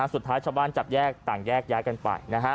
สุดท้ายชาวบ้านจับแยกต่างแยกย้ายกันไป